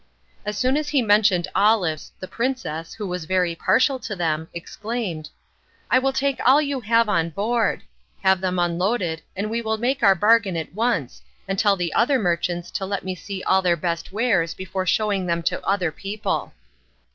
As soon as he mentioned olives, the princess, who was very partial to them, exclaimed: "I will take all you have on board. Have them unloaded and we will make our bargain at once, and tell the other merchants to let me see all their best wares before showing them to other people."